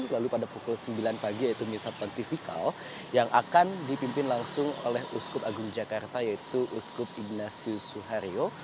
lalu pada pukul sembilan pagi yaitu misa pontifikal yang akan dipimpin langsung oleh uskup agung jakarta yaitu uskup ignatius suhario